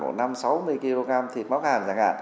một năm sáu mươi kg